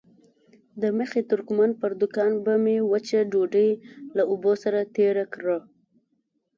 د مخي ترکمن پر دوکان به مې وچه ډوډۍ له اوبو سره تېره کړه.